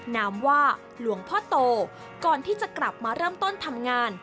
นามว่าหลวงพ่อโตก่อนที่จะกลับมาเริ่มต้นทำงาน